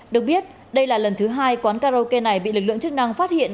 được biết đây là lần thứ hai quán karaoke này bị lực lượng chức năng phát hiện